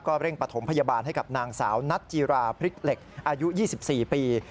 เร่งปฐมพยาบาลให้กับนางสาวนัทจีราพริกเหล็กอายุ๒๔ปี